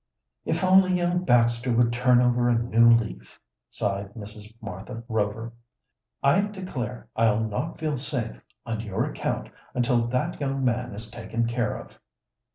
"If only young Baxter would turn over a new leaf!" sighed Mrs. Martha Rover. "I declare I'll not feel safe, on your account, until that young man is taken care of."